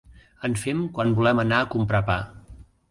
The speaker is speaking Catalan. En fem quan volem anar a comprar pa.